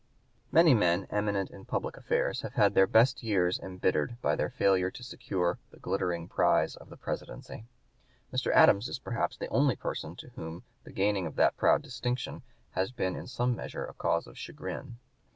Many men eminent in public affairs have had their best years embittered by their failure to secure the glittering prize of the Presidency. Mr. Adams is perhaps the only person to whom the gaining of that proud distinction has been in some measure a cause of chagrin.